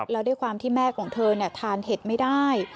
แล้วด้วยความที่แม่ของเธอทานเห็ดไม่ได้